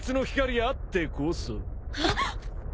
あっ！